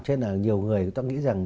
cho nên là nhiều người chúng ta nghĩ rằng